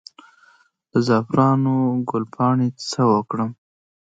د زعفرانو ګل پاڼې څه وکړم؟